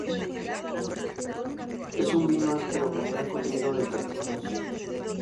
Es un vino áspero con gran contenido de taninos.